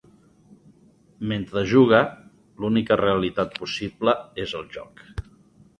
Mentre juga, l'única realitat possible és el joc.